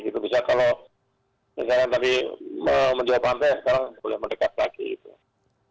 itu bisa kalau misalkan tadi menjauh pantai sekarang boleh mendekat lagi gitu